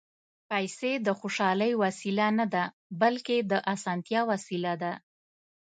پېسې د خوشالۍ وسیله نه ده، بلکې د اسانتیا وسیله ده.